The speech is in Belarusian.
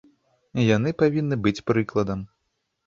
Яны павінны быць прыкладам.